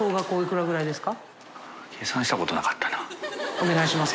お願いします